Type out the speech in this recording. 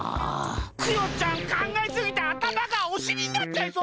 クヨちゃんかんがえすぎてあたまがおしりになっちゃいそう！